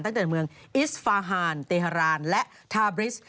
ตั้งแต่เมืองอิสฟาฮานเตฮารานและทาบริส